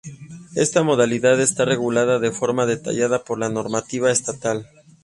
Esta modalidad está regulada de forma detallada por la normativa estatal.